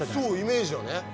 そうイメージはね。